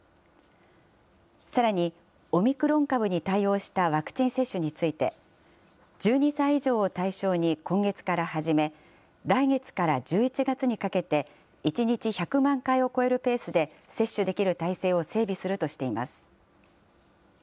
さらに、オミクロン株に対応したワクチン接種について、１２歳以上を対象に今月から始め、来月から１１月にかけて、１日１００万回を超えるペースで、接種できる体制を整備するとしています。